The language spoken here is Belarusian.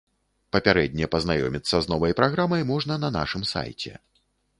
Папярэдне пазнаёміцца з новай праграмай можна на нашым сайце.